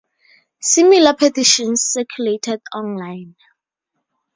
Similar petitions circulated online.